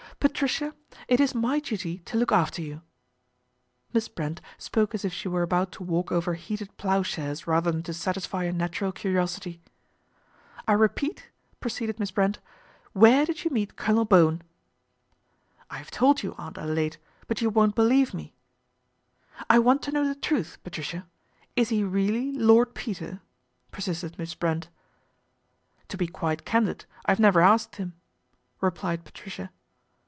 " Patricia, it is my duty to look after you." Miss Brent spoke as if she were about to walk over heated ploughshares rather than to satisfy a natural curiosity. " I repeat," proceeded Miss Brent, " where did you meet Colonel Bowen ?"" I have told you, Aunt Adelaide, but you won't believe me." " I want to know the truth, Patricia. Is he really Lord Peter ?" persisted Miss Brent. ' To be quite candid, I've never asked him," replied Patricia.